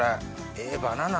ええバナナ。